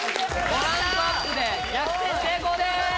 ５ランクアップで逆転成功です！